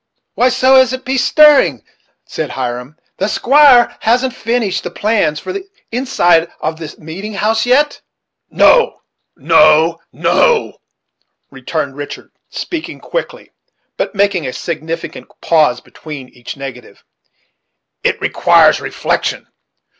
"Why, so as to be stirring," said Hiram. "The squire hasn't finished the plans for the inside of the meeting house yet?" "No no no," returned Richard, speaking quickly, but making a significant pause between each negative .. "it requires reflection.